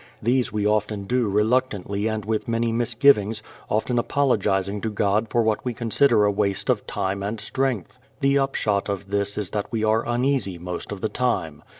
These we often do reluctantly and with many misgivings, often apologizing to God for what we consider a waste of time and strength. The upshot of this is that we are uneasy most of the time.